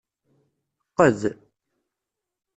Qqed.